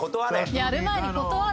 「やる前に断れ」？